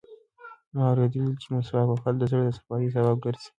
ما اورېدلي دي چې مسواک وهل د زړه د صفایي سبب ګرځي.